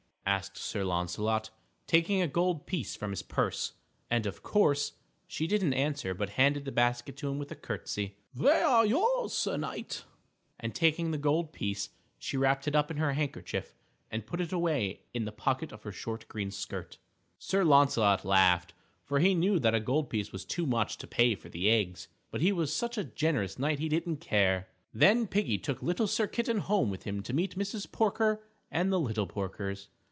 asked Sir Launcelot, taking a gold piece from his purse. And of course, she didn't answer but handed the basket to him with a curtsy. "They are yours, Sir Knight," and, taking the gold piece, she wrapped it up in her handkerchief and put it away in the pocket of her short green skirt. Sir Launcelot laughed, for he knew that a gold piece was too much to pay for the eggs, but he was such a generous knight he didn't care. [Illustration: LITTLE SIR CAT VISITS MRS. PORKER] Then Piggie took Little Sir Kitten home with him to meet Mrs. Porker and the little Porkers.